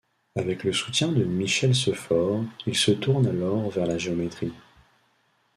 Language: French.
Avec le soutien de Michel Seuphor il se tourne alors vers la géométrie.